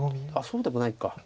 そうでもないか。